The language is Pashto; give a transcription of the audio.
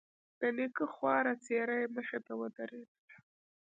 د نيکه خواره څېره يې مخې ته ودرېدله.